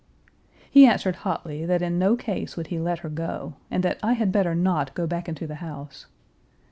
He answered hotly that in no case would he let her go, and that I had better not go back into the house.